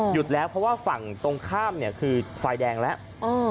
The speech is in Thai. แล้วเพราะว่าฝั่งตรงข้ามเนี่ยคือไฟแดงแล้ว